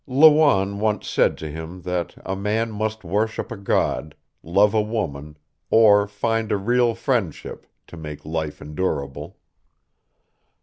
Lawanne once said to him that a man must worship a God, love a woman, or find a real friendship, to make life endurable.